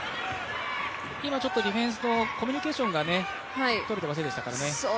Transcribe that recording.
今、ディフェンスとコミュニケーションが取れていませんでしたからね。